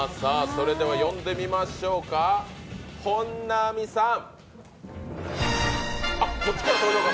それでは呼んでみましょうか本並さん。